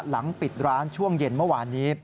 หลังปิดร้านช่วงเย็นเมื่อวานนี้